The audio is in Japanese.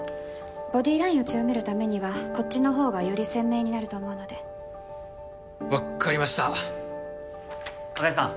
ボディーラインを強めるためにはこっちの方がより鮮明になると思うので分っかりました茜さん